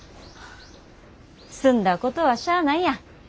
済んだことはしゃあないやん。